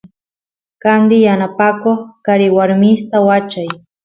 candi yanapakoq karawarmista wachay